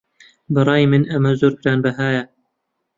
بەڕای من ئەمە زۆر گرانبەهایە.